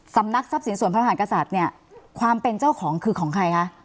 สำนักทรัพย์สินส่วนพระมหากษัตริย์เนี่ยความเป็นเจ้าของคือของใครคะ